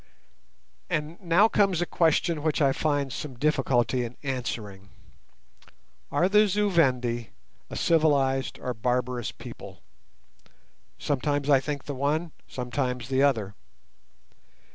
And now comes a question which I find some difficulty in answering. Are the Zu Vendi a civilized or barbarous people? Sometimes I think the one, sometimes the other.